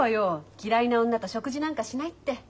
嫌いな女と食事なんかしないって。